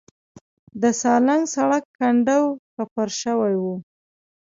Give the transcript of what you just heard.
د سالنګ سړک کنډو کپر شوی و.